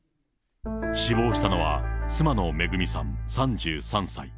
死亡したのは、妻の恵さん３３歳。